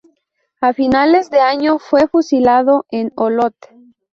A finales de año fue fusilado en Olot.